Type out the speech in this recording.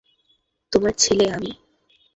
তোমার ছেলে আমি।